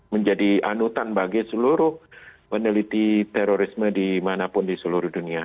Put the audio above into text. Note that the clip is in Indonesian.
menjadi anutan bagi seluruh peneliti terorisme dimanapun di seluruh dunia